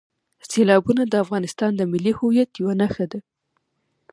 سیلابونه د افغانستان د ملي هویت یوه نښه ده.